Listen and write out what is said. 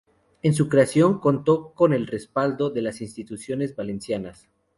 En su creación contó con el respaldo de las instituciones valencianas.